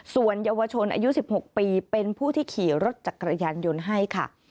ส่วนเยาวชนอายุ๑๖ปีเป็นผู้ที่ขี่รถจักรยานยนต์ให้ค่ะ